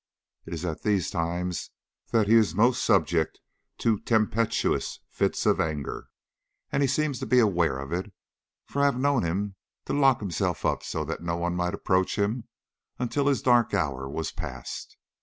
It is at these times that he is most subject to tempestuous fits of anger, and he seems to be aware of it, for I have known him lock himself up so that no one might approach him until his dark hour was passed.